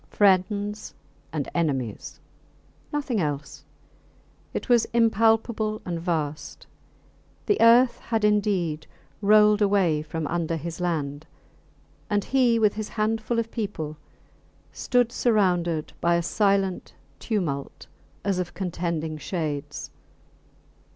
Friends and enemies nothing else. It was impalpable and vast. The earth had indeed rolled away from under his land, and he, with his handful of people, stood surrounded by a silent tumult as of contending shades.